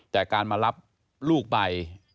แต่การมารับลูกไป